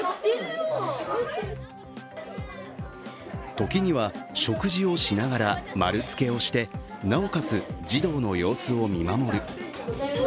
時には食事をしながら丸付けをして、なおかつ児童の様子を見守る。